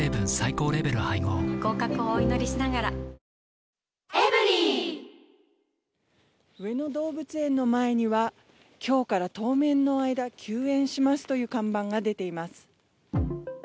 増え方が、尋常ではないとい上野動物園の前には、きょうから当面の間、休園しますという看板が出ています。